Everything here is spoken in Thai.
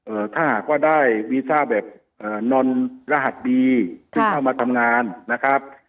ถ้าหากว่าได้วีซ่าแบบเอ่อนอนรหัสดีที่เข้ามาทำงานนะครับ